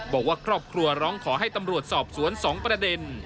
บอกว่าครอบครัวร้องขอให้ตำรวจสอบสวน๒ประเด็น